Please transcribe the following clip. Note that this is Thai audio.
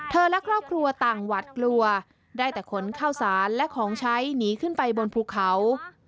และครอบครัวต่างหวัดกลัวได้แต่ขนข้าวสารและของใช้หนีขึ้นไปบนภูเขา